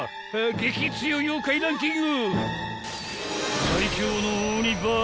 激つよ妖怪ランキング］